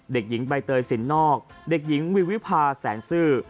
เด็กหญิงใบเตยสินนอกเด็กหญิงวิพาแสนซื่อ